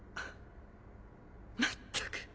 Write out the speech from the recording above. まったく。